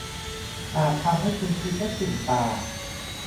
อาจทำให้คุณคิดว่าสิ่งต่าง